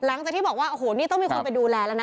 หลังจากที่บอกว่าโอ้โหนี่ต้องมีคนไปดูแลแล้วนะ